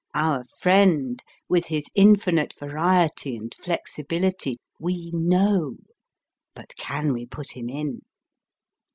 Our friend with his infinite variety and flexibility, we know but can we put him in